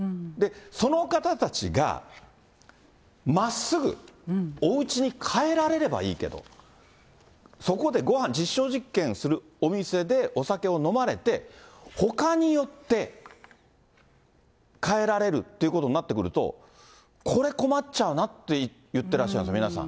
その方たちが、まっすぐおうちに帰られればいいけど、そこでごはん、実証実験するお店でお酒を飲まれて、ほかに寄って、帰られるっていうことになってくると、これ、困っちゃうなって言ってらっしゃるんですよ、皆さん。